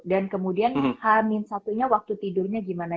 dan kemudian hamin satunya waktu tidurnya gimana